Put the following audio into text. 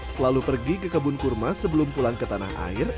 selalu pergi ke kebun kurma sebelum pulang ke tanah air